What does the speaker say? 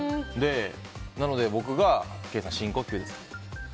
なので、僕がケイさん、深呼吸です。